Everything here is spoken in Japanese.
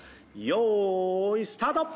よーいスタート！